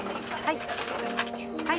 はい。